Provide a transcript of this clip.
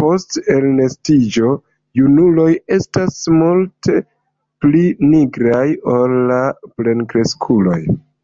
Post elnestiĝo junuloj estas multe pli nigraj ol la plenkreskuloj.